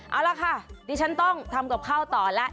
เอาล่ะค่ะดิฉันต้องทำกับข้าวต่อแล้ว